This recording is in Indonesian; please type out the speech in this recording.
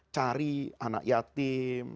cari anak yatim